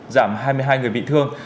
và giảm hai mươi hai người bị thương